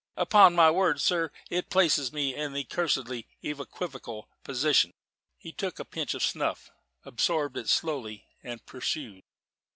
Upon my word, sir, it places me in a cursedly equivocal position!" He took a pinch of snuff, absorbed it slowly, and pursued.